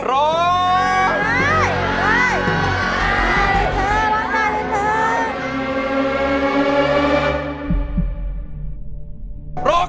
ร้องได้ครับ